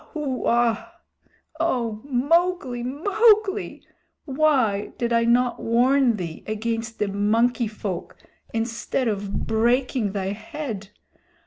Wahooa! O Mowgli, Mowgli! Why did I not warn thee against the Monkey Folk instead of breaking thy head?